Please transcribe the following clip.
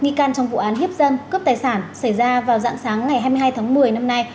nghi can trong vụ án hiếp dâm cướp tài sản xảy ra vào dạng sáng ngày hai mươi hai tháng một mươi năm nay